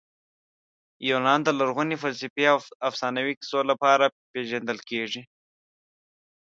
یونان د لرغوني فلسفې او افسانوي کیسو لپاره پېژندل کیږي.